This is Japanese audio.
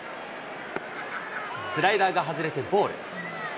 スライダーが外れてボール。